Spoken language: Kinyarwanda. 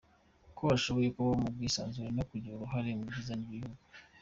ko ashobora kubaho mu bwisanzure no kugira uruhare ku byiza by’igihugu.